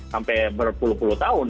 sampai berpuluh puluh tahun